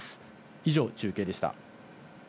以上、中継でした。